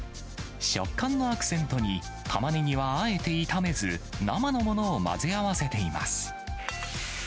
食感のアクセントに、たまねぎはあえて炒めず、生のものを混ぜ合わせています。